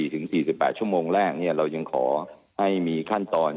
๔๔๘ชั่วโมงแรกเรายังขอให้มีขั้นตอน